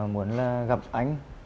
muốn gặp anh